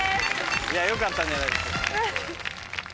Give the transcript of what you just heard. いやよかったんじゃないでしょうか。